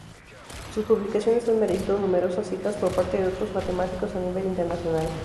Sus publicaciones han merecido numerosas citas por parte de otros matemáticos a nivel internacional.